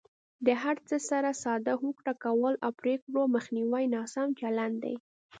د هر څه سره ساده هوکړه کول او پرېکړو مخنیوی ناسم چلند دی.